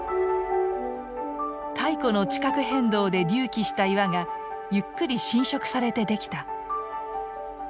太古の地殻変動で隆起した岩がゆっくり浸食されてできた。